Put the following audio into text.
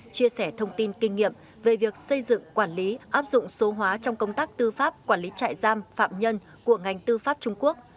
chia sẻ thông tin kinh nghiệm về việc xây dựng quản lý áp dụng số hóa trong công tác tư pháp quản lý trại giam phạm nhân của ngành tư pháp trung quốc